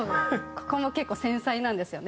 ここも結構繊細なんですよね